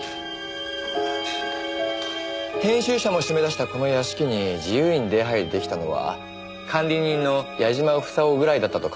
編集者も締め出したこの屋敷に自由に出入り出来たのは管理人の矢嶋房夫ぐらいだったと考えるのが自然ですよね？